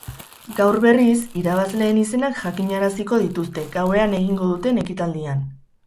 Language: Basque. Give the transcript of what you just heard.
Gaur, berriz, irabazleen izenak jakinaraziko dituzte, gauean egingo duten ekitaldian.